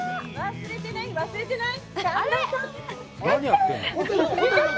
忘れてない？